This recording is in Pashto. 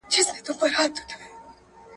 د سياست پوهني پرمختګ چټک نه دی.